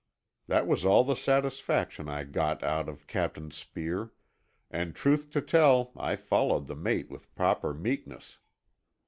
That was all the satisfaction I got out of Captain Speer; and truth to tell I followed the mate with proper meekness.